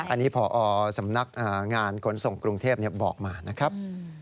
อันนี้พอสำนักงานขนส่งกรุงเทพบอกมานะครับ